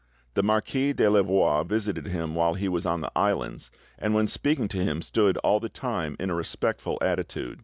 The Marquis de Louvois visited him while he was on the islands, and when speaking to him stood all the time in a respectful attitude.